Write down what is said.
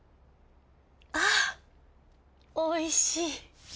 あおいしい。